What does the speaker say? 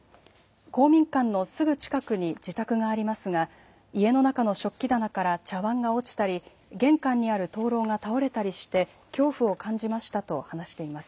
公民館のすぐ近くに自宅がありますが、家の中の食器棚から茶わんが落ちたり、玄関にある灯籠が倒れたりして恐怖を感じましたと話しています。